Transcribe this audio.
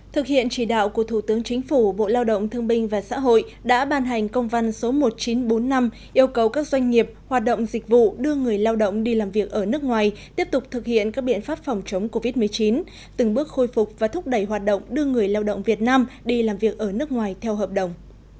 thực hiện chỉ đạo của thủ tướng chính phủ bộ lao động thương binh và xã hội đã ban hành công văn số một nghìn chín trăm bốn mươi năm yêu cầu các doanh nghiệp hoạt động dịch vụ đưa người lao động đi làm việc ở nước ngoài tiếp tục thực hiện các biện pháp phòng chống covid một mươi chín từng bước khôi phục và thúc đẩy hoạt động đưa người lao động việt nam đi làm việc ở nước ngoài theo hợp đồng